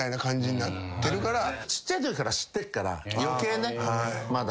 ちっちゃいときから知ってるから余計ねまだ。